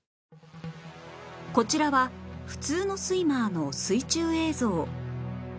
こちらは普通のスイマーの水中映像